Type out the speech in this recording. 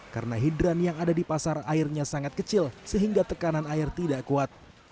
karena hidran yang ada di pasar airnya sangat kecil sehingga tekanan air tidak kuat